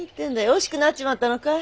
惜しくなっちまったのかい？